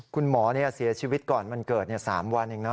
คุณหมอเสียชีวิตก่อนวันเกิด๓วันเองนะ